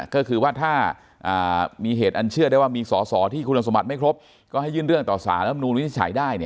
ก็คือว่าถ้ามีเหตุอันเชื่อได้ว่ามีสอสอที่คุณสมบัติไม่ครบก็ให้ยื่นเรื่องต่อสารรับนูลวินิจฉัยได้